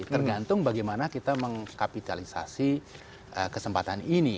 tergantung bagaimana kita mengkapitalisasi kesempatan ini